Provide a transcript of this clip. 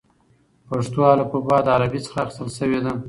پښتو الفبې له عربي څخه اخیستل شوې ده.